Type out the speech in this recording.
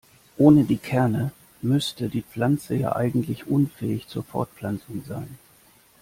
Ohne die Kerne müsste die Pflanze ja eigentlich unfähig zur Fortpflanzung sein.